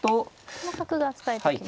この角が使えてきますね。